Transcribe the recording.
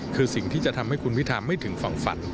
คือสิ่งที่จะทำให้คุณวิทาไม่ถึงฝั่งฝัน